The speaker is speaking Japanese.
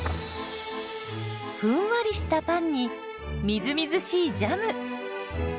ふんわりしたパンにみずみずしいジャム。